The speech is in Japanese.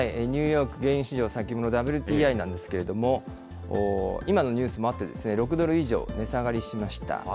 ニューヨーク原油市場・先物、ＷＴＩなんですけれども、今のニュースもあって、６ドル以上値下がりしました。